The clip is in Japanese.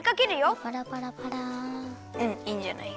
うんいいんじゃない？